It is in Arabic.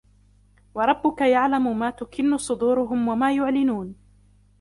وَرَبُّكَ يَعْلَمُ مَا تُكِنُّ صُدُورُهُمْ وَمَا يُعْلِنُونَ